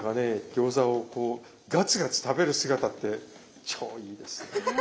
餃子をこうガツガツ食べる姿って超いいです。